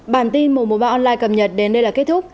bản tin mùa mùa ba online cập nhật đến đây là kết thúc